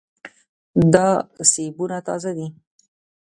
دا سیبونه تازه دي.